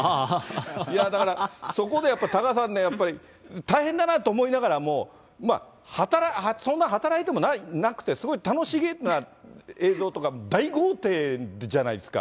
だからそこでやっぱ多賀さんね、やっぱり、大変だなと思いながらも、そんな働いてもなくて、すごい楽しげな映像とか、大豪邸じゃないですか。